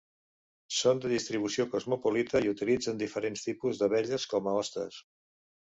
Són de distribució cosmopolita i utilitzen diferents tipus d'abelles com a hostes.